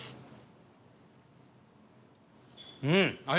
うん。